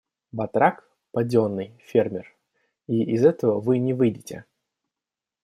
Батрак, поденный, фермер — и из этого вы не выйдете.